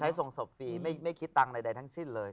ให้ส่งศพฟรีไม่คิดตังค์ใดทั้งสิ้นเลย